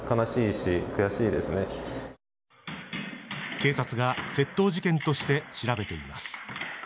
警察が窃盗事件として調べています。